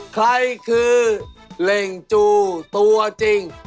ใครคือเหล่งจูตัวจริง